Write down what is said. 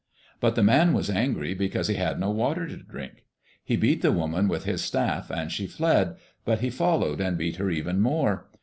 But the man was angry because he had no water to drink. He beat the woman with his staff and she fled, but he followed and beat her even more.